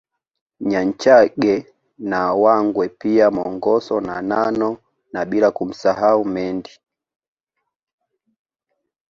Nyanchage na Wangwe pia Mongoso na Nano na bila kumsahau Mendi